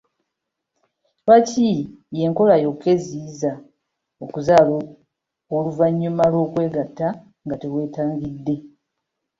Lwaki y'enkola yokka eziyiza okuzaala oluvannyuma lw'okwegatta nga teweetangidde.